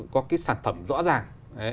có cái sản phẩm rõ ràng